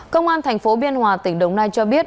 công an thành phố biên hòa tỉnh đồng nai cho biết